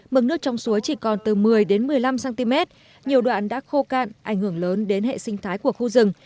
mực nước trong suối chỉ còn từ một mươi một mươi năm cm nhiều đoạn đã khô cạn ảnh hưởng lớn đến hệ sinh thái của khu rừng